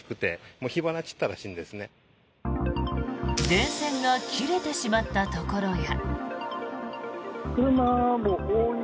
電線が切れてしまったところや。